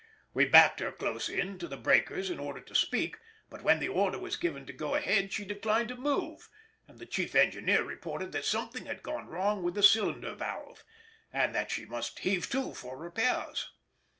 We backed her close in to the breakers in order to speak, but when the order was given to go ahead she declined to move, and the chief engineer reported that something had gone wrong with the cylinder valve, and that she must heave to for repairs.